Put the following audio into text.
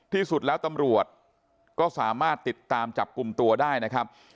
ที่สุดแล้วตำรวจก็สามารถติดตามจับกลุ่มตัวได้นะครับ